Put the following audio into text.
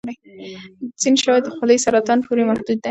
ځینې شواهد د خولې سرطان پورې محدود دي.